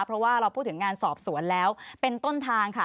เพราะว่าเราพูดถึงงานสอบสวนแล้วเป็นต้นทางค่ะ